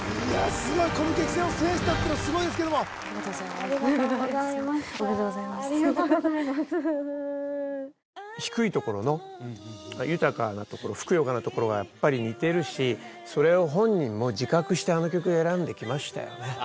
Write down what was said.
すごいこの激戦を制したっていうのはすごいですけどもありがとうございますおめでとうございますありがとうございます低いところの豊かなふくよかなところがやっぱり似てるしそれを本人も自覚してあの曲選んできましたよね